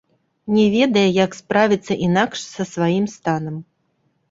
Не ведае, як справіцца інакш са сваім станам.